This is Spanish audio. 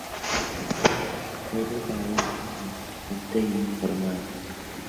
Fue preparado en cuestiones de etiqueta y bien formado por Symonds.